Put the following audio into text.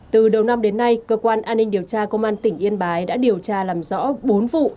từ đầu năm đến nay cơ quan an ninh điều tra công an tỉnh yên bái đã điều tra làm rõ bốn vụ